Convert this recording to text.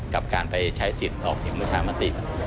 กับการไปใช้สิทธิ์ออกเสียงประชามติ